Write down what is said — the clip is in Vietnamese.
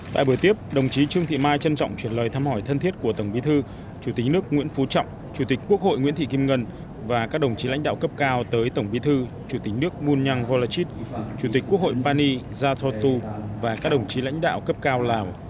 tại buổi tiếp đồng chí trương thị mai trân trọng chuyển lời thăm hỏi thân thiết của tổng bí thư chủ tịch nước nguyễn phú trọng chủ tịch quốc hội nguyễn thị kim ngân và các đồng chí lãnh đạo cấp cao tới tổng bí thư chủ tịch nước bunyang volachit chủ tịch quốc hội pani yathotu và các đồng chí lãnh đạo cấp cao lào